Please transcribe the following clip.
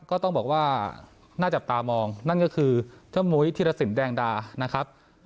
ก็ต้องบอกว่าน่าจับตามองนั่นก็คือเจ้ามุยธิรสินแดงดานะครับ